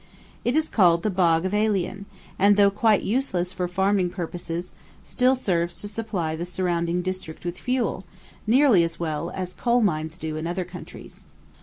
It is called "the Bog of Allen," and, though quite useless for farming purposes, still serves to supply the surrounding district with fuel, nearly as well as coal mines do in other countries.